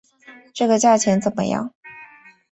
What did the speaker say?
这个价钱怎么样？